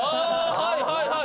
はいはいはい。